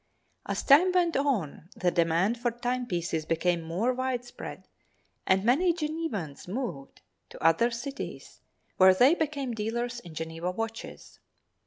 As time went on the demand for time pieces became more widespread and many Genevans moved to other cities where they became dealers in Geneva watches.